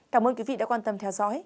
cảm ơn quý vị đã quan tâm theo dõi